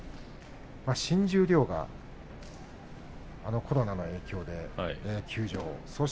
新十両はコロナの影響で休場。